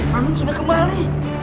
ranum sudah kembali